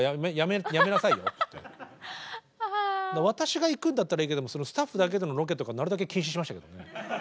私が行くんだったらいいけどもスタッフだけでのロケとかなるだけ禁止しました。